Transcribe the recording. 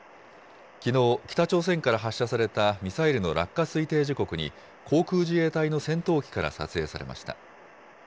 きのう、北朝鮮から発射されたミサイルの落下推定時刻に、航空自衛隊の戦闘機から撮影されました。